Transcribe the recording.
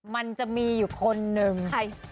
มันจะมีอยู่คนนึง